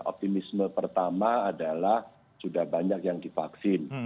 optimisme pertama adalah sudah banyak yang divaksin